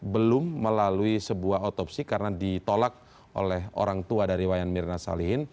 belum melalui sebuah otopsi karena ditolak oleh orang tua dari wayan mirna salihin